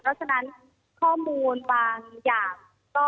เพราะฉะนั้นข้อมูลบางอย่าง